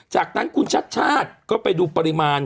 จากนั้นคุณชัดชาติก็ไปดูปริมาณ